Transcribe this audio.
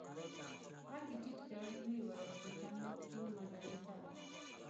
ږغ يې ټيټ کړ ويې ويل بوتل مې پکښې ومنډه بوتل.